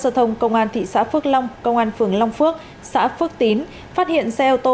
giao thông công an thị xã phước long công an phường long phước xã phước tín phát hiện xe ô tô